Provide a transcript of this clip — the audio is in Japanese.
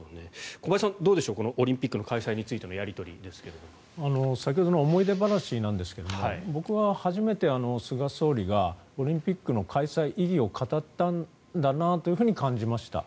小林さん、どうでしょうオリンピックの開催についての先ほどの思い出話ですが僕は初めて菅総理がオリンピックの開催意義を語ったんだなと感じました。